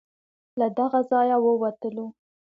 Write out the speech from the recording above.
له دغه ځای ووتلو.